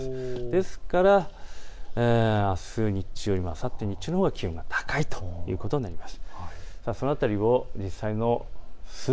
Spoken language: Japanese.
ですからあす日曜日よりもあさって日中のほうが気温が高いと見られます。